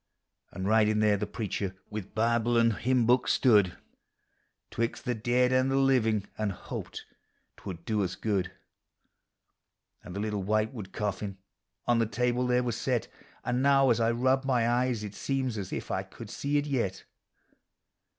An' right in there the preacher, with Bible and hymn book, stood, " Twixt the dead and the living," and " hoped 't would do us good ;" And the little whitewood coffin on the table there was set, And now as I rub my eyes it seems as if I could see it yet.